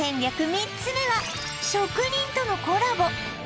３つ目は職人とのコラボ